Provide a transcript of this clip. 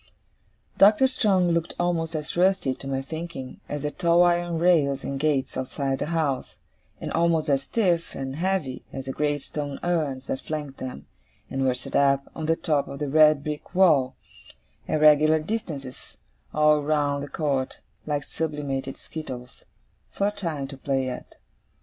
Doctor Strong looked almost as rusty, to my thinking, as the tall iron rails and gates outside the house; and almost as stiff and heavy as the great stone urns that flanked them, and were set up, on the top of the red brick wall, at regular distances all round the court, like sublimated skittles, for Time to play at.